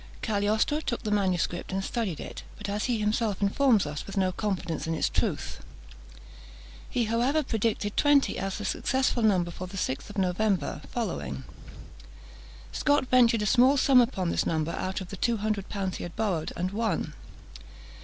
Cagliostro took the manuscript and studied it, but, as he himself informs us, with no confidence in its truth. He, however, predicted twenty as the successful number for the 6th of November following. Scot ventured a small sum upon this number out of the two hundred pounds he had borrowed, and won.